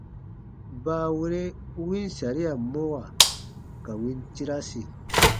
Baawere u win saria mɔwa ka win tirasi.